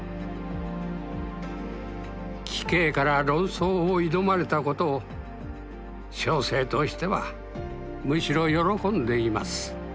「貴兄から論争を挑まれたことを小生としてはむしろ喜んでいます」。